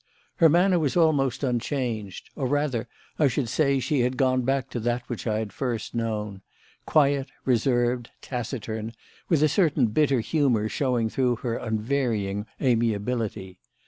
Her manner was almost unchanged; or rather, I should say, she had gone back to that which I had first known quiet, reserved, taciturn, with a certain bitter humour showing through her unvarying amiability.